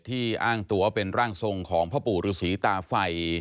อ้างตัวเป็นร่างทรงของพ่อปู่ฤษีตาไฟ